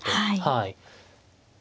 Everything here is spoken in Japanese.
はい。